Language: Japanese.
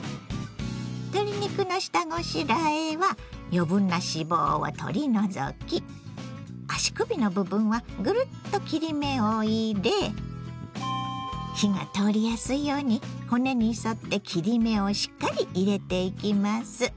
鶏肉の下ごしらえは余分な脂肪を取り除き足首の部分はぐるっと切り目を入れ火が通りやすいように骨に沿って切り目をしっかり入れていきます。